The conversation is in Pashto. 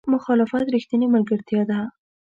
مخالفت رښتینې ملګرتیا ده.